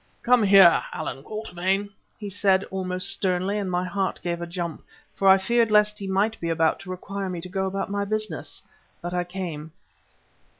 "Come here, Allan Quatermain," he said, almost sternly, and my heart gave a jump, for I feared lest he might be about to require me to go about my business. But I came.